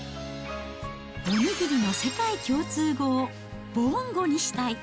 お握りの世界共通語をボンゴにしたい。